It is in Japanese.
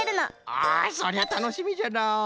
あそりゃたのしみじゃのう。